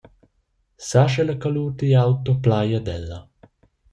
Sa sche la colur digl auto plai ad ella?